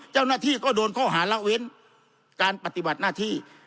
เจ้าหน้าที่ก็โดนข้อหาละเว้นการปฏิบัติหน้าที่